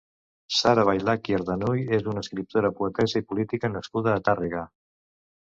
Sara Bailac i Ardanuy és una escriptora, poetessa i política nascuda a Tàrrega.